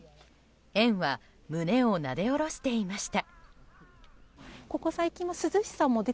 園は胸をなで下ろしていました。